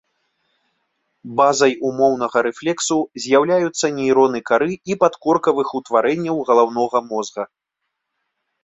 Базай умоўнага рэфлексу з'яўляюцца нейроны кары і падкоркавых утварэнняў галоўнага мозга.